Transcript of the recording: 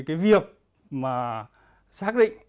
cái việc mà xác định